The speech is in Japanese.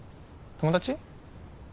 友達？